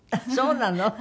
そうなの？